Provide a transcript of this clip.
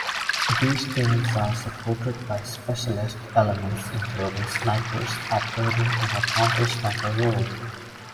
These teams are supported by specialist elements including snipers operating in a counter-sniper role.